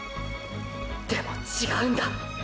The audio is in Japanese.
でも違うんだ。